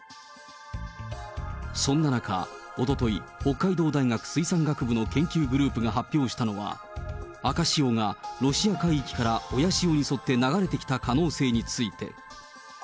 そんな中、おととい、北海道大学水産学部の研究グループが発表したのは、赤潮がロシア海域から親潮に沿って流れてきた可能性について。